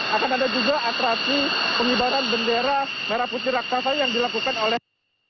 akan ada juga atraksi pengibaran bendera merah putih raksasa yang dilakukan oleh